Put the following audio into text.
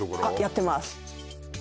あっやってます